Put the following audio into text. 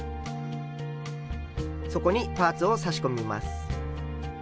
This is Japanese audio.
そこにパーツを差し込みます。